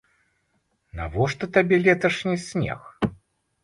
Навошта табе леташні снег?